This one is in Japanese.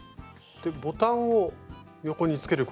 ボタンを横につけることで。